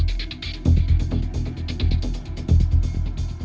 ตรงนี้พี่ดีกว่าเขามีแบบแบบนี้